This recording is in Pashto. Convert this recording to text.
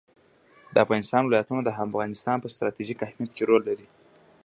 د افغانستان ولايتونه د افغانستان په ستراتیژیک اهمیت کې رول لري.